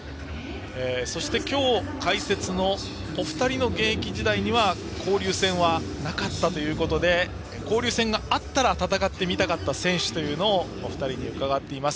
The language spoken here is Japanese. そして今日、解説のお二人の現役時代には交流戦はなかったということで交流戦があったら戦ってみたかった選手をお二人に伺っています。